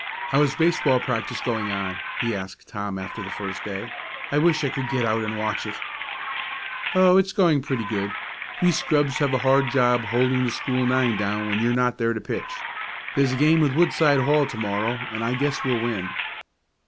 "How is baseball practice going on?" he asked Tom after the first day. "I wish I could get out and watch it." "Oh, it's going pretty good. We scrubs have a hard job holding the school nine down when you're not there to pitch. There's a game with Woodside Hall to morrow, and I guess we'll win."